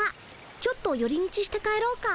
ちょっとより道して帰ろうか。